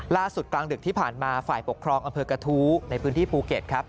กลางดึกที่ผ่านมาฝ่ายปกครองอำเภอกระทู้ในพื้นที่ภูเก็ตครับ